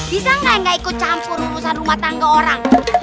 bisa nggak ikut campur urusan rumah tangga orang